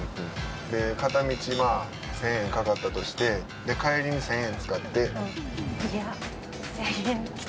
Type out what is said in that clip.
で片道まぁ１，０００円かかったとして帰りに１，０００円使って。